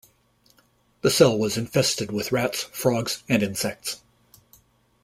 The cell was infested with rats, frogs, and insects.